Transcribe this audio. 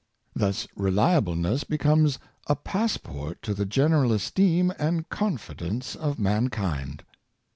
Thus reliableness becomes a passport to the general esteem and confi dence of mankind.